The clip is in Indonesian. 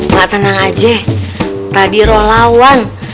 mak tenang aja tadi ro lawan